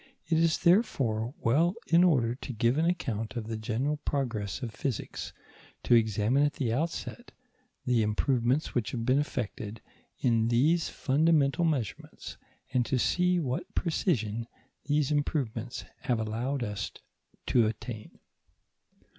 It is therefore well, in order to give an account of the general progress of physics, to examine at the outset the improvements which have been effected in these fundamental measurements, and to see what precision these improvements have allowed us to attain.